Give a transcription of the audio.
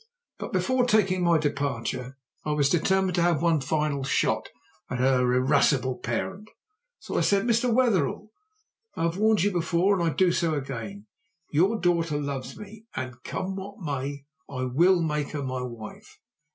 But before taking my departure I was determined to have one final shot at her irascible parent, so I said, "Mr. Wetherell, I have warned you before, and I do so again: your daughter loves me, and, come what may, I will make her my wife.